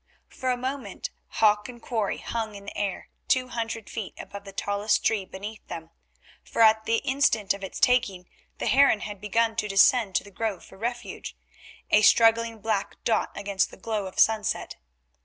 For a moment hawk and quarry hung in the air two hundred feet above the tallest tree beneath them, for at the instant of its taking the heron had begun to descend to the grove for refuge, a struggling black dot against the glow of sunset.